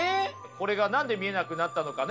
これが何で見えなくなったのかね？